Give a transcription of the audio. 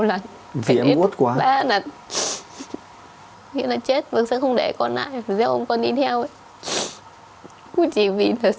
lần vì em gót quá là như là chết mà tôi không để con lại mà chưa có cắn đi thao về chị vì được